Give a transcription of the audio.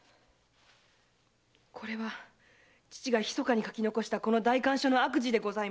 これは父が秘かに書き残したこの代官所の悪事でございます。